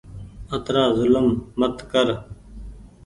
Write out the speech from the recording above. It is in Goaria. اترآ زولم مت ڪر